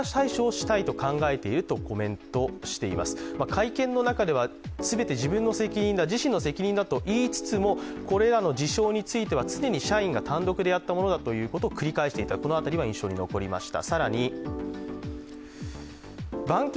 会見の中では全て自身の責任だと言いつつも、これらの事象については常に社員が単独で行っていたと繰り返していた、この辺りが印象に残りました。